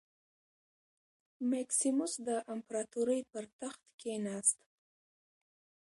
مکسیموس د امپراتورۍ پر تخت کېناست.